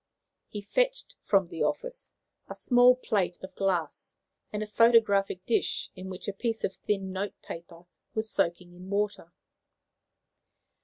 He fetched from the office a small plate of glass, and a photographic dish in which a piece of thin notepaper was soaking in water.